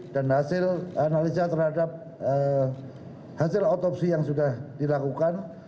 dan hasil analisa terhadap hasil otopsi yang sudah dilakukan